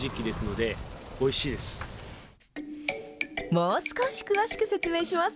もう少し詳しく説明します。